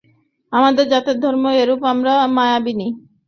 আমাদের জাতের ধর্ম এইরূপ–আমরা মায়াবিনী।